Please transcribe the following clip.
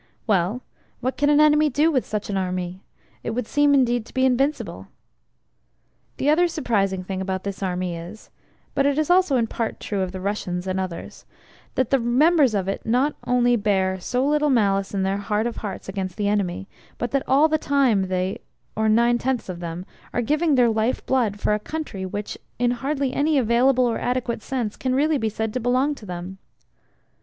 Well, what can an enemy do with such an army? It would seem indeed to be invincible. The other surprising thing about this Army is (but it is also in part true of the Russians and others) that the members of it not only bear so little malice in their heart of hearts against the enemy, but that all the time they (or nine tenths of them) are giving their life blood, for a Country which in hardly any available or adequate sense can really be said to belong to them.